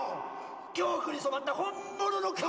恐怖に染まった本物の顔！